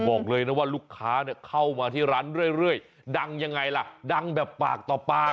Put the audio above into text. บอกเลยนะว่าลูกค้าเนี่ยเข้ามาที่ร้านเรื่อยดังยังไงล่ะดังแบบปากต่อปาก